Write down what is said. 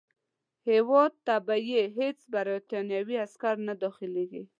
هیواد ته به یې هیڅ برټانوي عسکر نه داخلیږي.